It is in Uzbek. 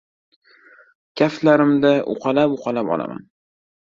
Kaftlarimda uqalab-uqalab olaman.